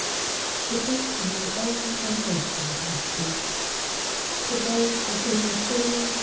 It is to my own generation that I speak, to those for whom the theories of M.